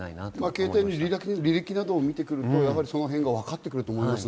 携帯の履歴などを見ると、そのへんがわかってくると思います。